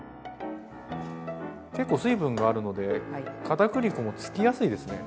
結構水分があるのでかたくり粉もつきやすいですね。